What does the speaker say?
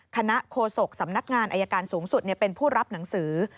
โฆษกสำนักงานอายการสูงสุดเป็นผู้รับหนังสือ